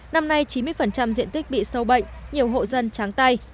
năm nay chín mươi diện tích bị sâu bệnh nhiều hộ dân tráng tay